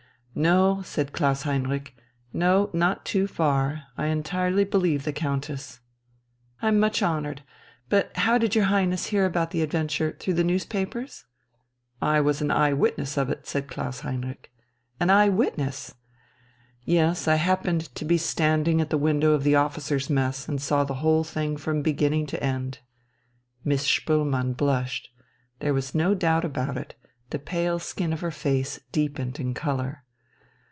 "No," said Klaus Heinrich, "no, not too far. I entirely believe the Countess...." "I'm much honoured. But how did your Highness hear about the adventure? Through the newspapers?" "I was an eye witness of it," said Klaus Heinrich. "An eye witness?" "Yes. I happened to be standing at the window of the officers' mess, and saw the whole thing from beginning to end." Miss Spoelmann blushed. There was no doubt about it, the pale skin of her face deepened in colour.